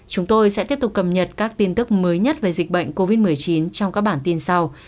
chúng tôi sẽ tiếp tục cập nhật các tin tức mới nhất về dịch bệnh covid một mươi chín trong các bản tin sau